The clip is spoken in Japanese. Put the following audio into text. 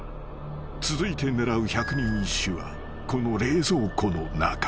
［続いて狙う百人一首はこの冷蔵庫の中］